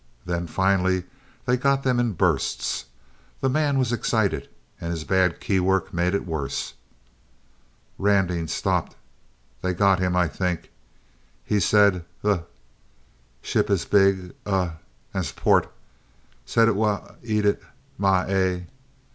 Then finally they got them in bursts. The man was excited, and his bad key work made it worse. " Randing stopped. They got him I think. He said th ship as big a nsport. Said it wa eaded my ay.